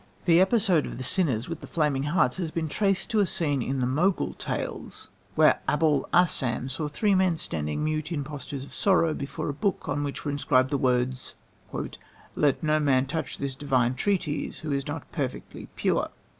The episode of the sinners with the flaming hearts has been traced to a scene in the Mogul Tales, where Aboul Assam saw three men standing mute in postures of sorrow before a book on which were inscribed the words: "Let no man touch this divine treatise who is not perfectly pure."